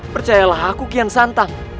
percayalah aku kian santan